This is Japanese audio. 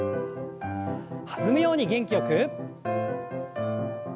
弾むように元気よく。